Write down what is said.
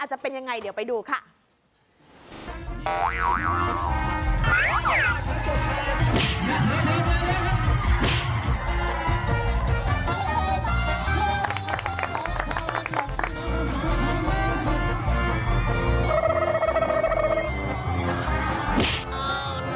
อาจจะเป็นอย่างไรเดี๋ยวไปดูครับ